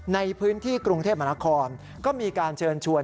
ในพื้นที่กรุงเทพมหานครก็มีการเชิญชวน